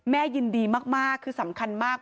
แม่ยินดีมากคือสำคัญมาก